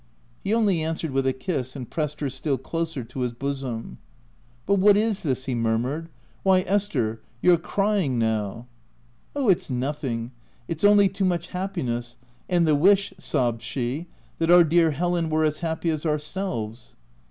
> He only answered with a kiss, and pressed her still closer to his bosom. u But what is this ?" he murmured. " Why, Esther, you're crying now !" a Oh, it's nothing— it's only too much hap piness — and the wish," sobbed she, " that our dear Helen were as happy as ourselves.